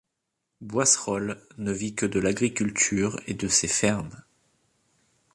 Boisserolles ne vit que de l'agriculture et de ses fermes.